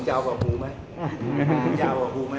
มันเป็นสิ่งที่เราไม่รู้สึกว่า